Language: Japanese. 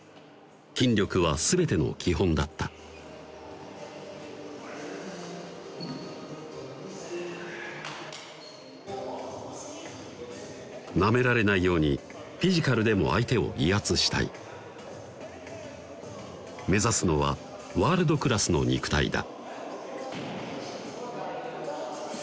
筋力は全ての基本だったなめられないようにフィジカルでも相手を威圧したい目指すのはワールドクラスの肉体だ